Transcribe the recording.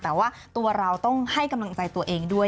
แต่ว่าตัวเราต้องให้กำลังใจตัวเองด้วย